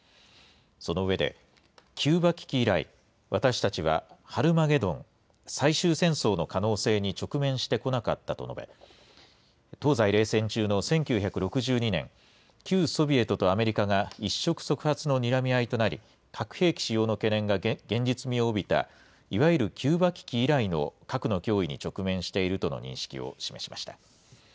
その上で、キューバ危機以来、私たちはハルマゲドン・最終戦争の可能性に直面してこなかったと述べ、東西冷戦中の１９６２年、旧ソビエトとアメリカが一触即発のにらみ合いとなり、核兵器使用の懸念が現実味を帯びた、いわゆるキューバ危機以来の核の脅威に直面しているとの認識を示しました。